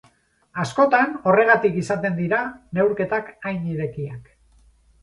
Askotan horregatik izaten dira neurketak hain irekiak.